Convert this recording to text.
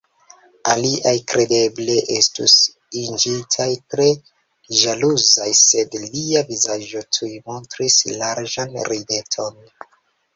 Aliaj kredeble estus iĝintaj tre ĵaluzaj, sed lia vizaĝo tuj montris larĝan rideton.